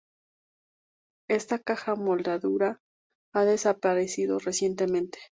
Esta caja moldurada ha desaparecido recientemente.